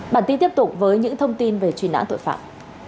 bản tin tiếp tục với những thông tin về truy nã tội phạm